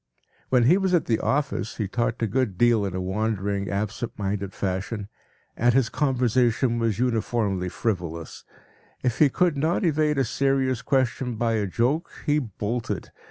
When he was at the office he talked a good deal in a wandering, absent minded fashion, and his conversation was uniformly frivolous. If he could not evade a serious question by a joke, he bolted.